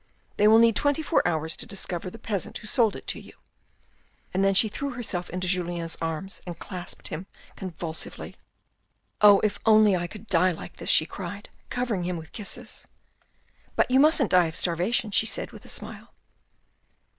" They will need twenty four hours to discover the peasant who sold it to you." And she threw herself into Julien's arms and clasped him convulsively. " Oh, if I could only die like this," she cried covering him with kisses. " But you mustn't die of starvation," she said with a smile.